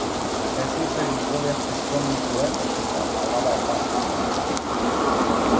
Jesus Egiguren ezkondu zuen eta alaba bat du.